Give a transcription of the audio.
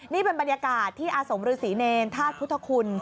นี่เป็นบรรยากาศที่อาสมฤษีเนรธาตุพุทธคุณ